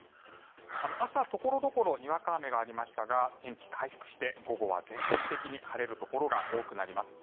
朝、所々でにわか雨がありましたが天気回復して午後は全国的に晴れるところが多くなります。